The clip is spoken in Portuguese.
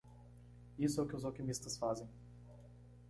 Isso é o que os alquimistas fazem.